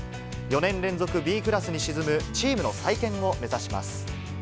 ４年連続Ｂクラスに沈むチームの再建を目指します。